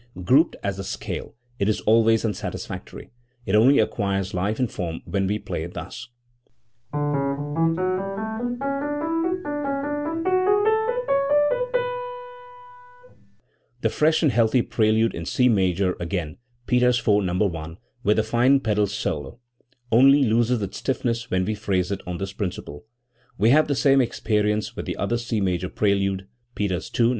Grouped as a scale it is always unsatisfactory; it only acquires life and form when we play it thus: The fresh and healthy prelude in C major, again, (Peters IV, No. i) with the fine pedal solo, only loses its stiffness when we phrase it on this principle. We have the same experience with the other C major prelude (Peters II, No.